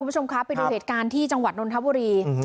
คุณผู้ชมคะไปดูเหตุการณ์ที่จังหวัดนนทบุรี